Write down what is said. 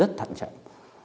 rất thận trọng